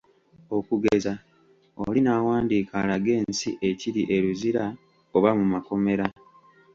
Okugeza, oli n'awandiika alage ensi ekiri e Luzira oba mu makomera.